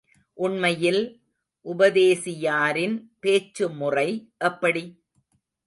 உண்மையில் உபதேசியாரின் பேச்சுமுறை எப்படி?